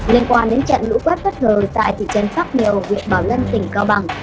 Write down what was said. liên quan đến trận lũ quát bất hờ tại thị trấn pháp mèo nguyễn bảo lân tỉnh cao bằng